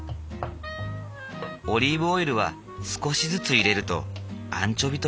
オリーブオイルは少しずつ入れるとアンチョビとよく混ざる。